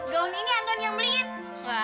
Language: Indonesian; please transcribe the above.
gaun ini anton yang beliin